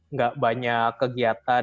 nggak banyak kegiatan